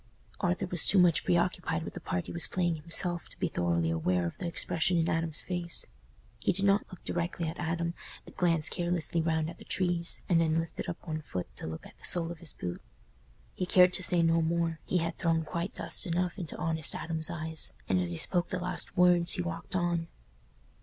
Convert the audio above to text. Arthur was too much preoccupied with the part he was playing himself to be thoroughly aware of the expression in Adam's face. He did not look directly at Adam, but glanced carelessly round at the trees and then lifted up one foot to look at the sole of his boot. He cared to say no more—he had thrown quite dust enough into honest Adam's eyes—and as he spoke the last words, he walked on.